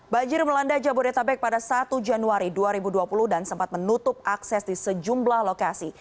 banjir melanda jabodetabek pada satu januari dua ribu dua puluh dan sempat menutup akses di sejumlah lokasi